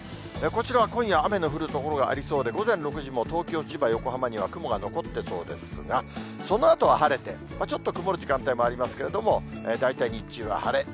こちらは今夜、雨の降る所がありそうで、午前６時も東京、千葉、横浜には雲が残ってそうですが、そのあとは晴れて、ちょっと曇る時間帯もありますけれども、大体日中は晴れ。